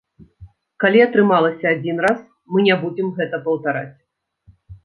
Калі атрымалася адзін раз, мы не будзем гэта паўтараць.